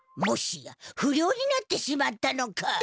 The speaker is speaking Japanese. もしや不良になってしまったのか？